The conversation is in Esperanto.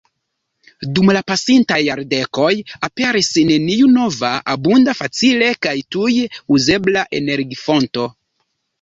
Dum la pasintaj jardekoj aperis neniu nova, abunda, facile kaj tuj uzebla energifonto.